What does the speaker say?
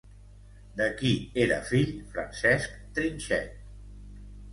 De qui era fill Francesc Trinxet?